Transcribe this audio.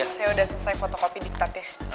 saya sudah selesai fotokopi diktat ya